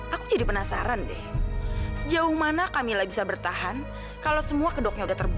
aku jadi penasaran deh sejauh mana kamila bisa bertahan kalau semua kedoknya udah terbongkar